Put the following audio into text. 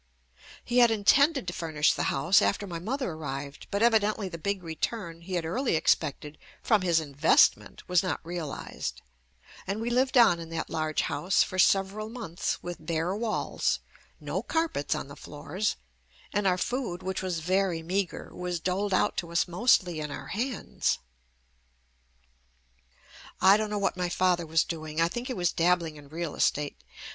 He had intended to furnish the house after my mother arrived, but evidently the big return he had early expected from his investment was not realized, and we lived on in that large house for several months with bare walls, no carpets on the floors, and our food, which was very meagre, was doled out to us mostly in our hands. I don't know what my father was doing — I think he was dabbling in real estate.